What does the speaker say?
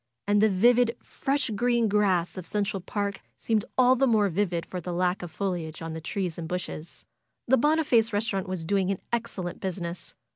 And the vivid, fresh green grass of Central Park seemed all the more vivid for the lack of foliage on the trees and bushes. The Boniface restaurant was doing an excellent business.